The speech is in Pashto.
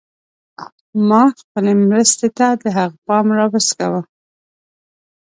ما خپلې مرستې ته د هغه پام راوڅکاوه.